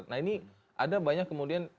nah ini ada banyak kemudian